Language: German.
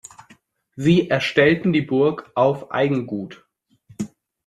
Sie erstellten die Burg auf Eigengut.